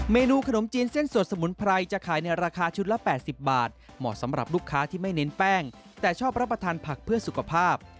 เมนูขนมจีนเส้นสดสมุนไพรจะขายในราคาชุดละ๘๐บาทเหมาะสำหรับลูกค้าที่ไม่เน้นแป้งแต่ชอบรับประทานผักเพื่อสุขภาพ